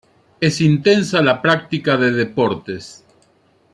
Es intensa la práctica de deportes.